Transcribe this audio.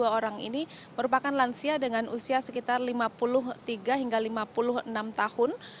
dua orang ini merupakan lansia dengan usia sekitar lima puluh tiga hingga lima puluh enam tahun